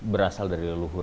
berasal dari leluhurnya